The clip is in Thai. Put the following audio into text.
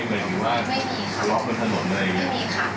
เหมือนกับว่าไม่มีค่ะตรวจมันถนนเลยไม่มีค่ะ